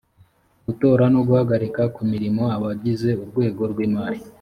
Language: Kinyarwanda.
gutora no guhagarika ku mirimo abagize urwego rwimari